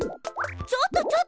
ちょっとちょっと！